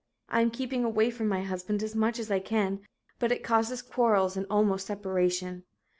I am keeping away from my husband as much as I can, but it causes quarrels and almost separation.